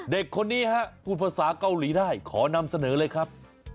เด็กคนนี้ฮะพูดภาษาเกาหลีได้ขอนำเสนอเลยครับ